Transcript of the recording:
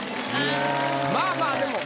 まあまあでも。